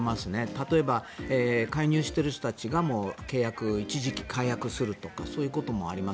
例えば介入している人たちが契約を一時解約するとかそういうこともあります。